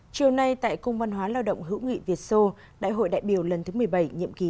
chiều nay tại công văn hóa lao động hữu nghị việt sô đại hội đại biểu lần thứ một mươi bảy nhiệm ký